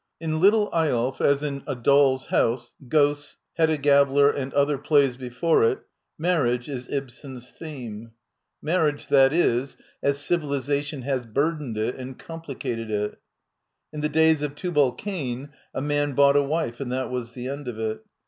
In "Little Eyolf," as in "A Doll's House," " Ghosts," " Hedda Gabler " and other plays be fore it, marrjage^fe Ibsen^l^^^fiflje — marriage, that is, as civITizatiDfi'has bufd^ed it and complicated it. In the days of Tubal Cain a man bought a wife, and that was the end of it.